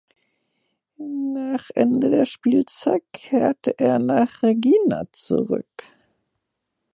Nach Ende der Spielzeit kehrte er nach Reggina zurück.